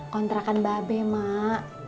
kontrakan babe mak